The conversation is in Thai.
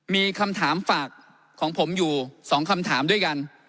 มีคำถามฝากของผมอยู่๒คำถามด้วยกัน